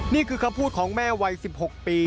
นี่คือคำพูดของแม่วัย๑๖ปี